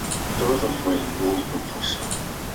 Es pequeño en superficie pero altamente poblado.